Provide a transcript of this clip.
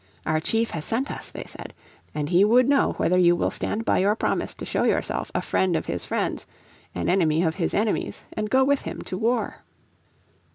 "Our chief has sent us," they said, "and he would know whether you will stand by your promise to show yourself a friend of his friends, an enemy of his enemies and go with him to war."